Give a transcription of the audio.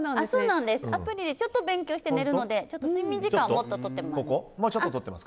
アプリでちょっと勉強して寝るので睡眠時間はもっととってます。